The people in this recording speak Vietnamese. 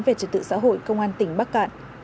về trật tự xã hội công an tỉnh bắc cạn